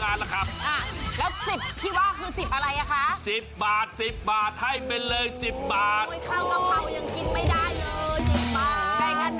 ใกล้งั้นน้ำเปล่าแค่นั้นแหละคุณ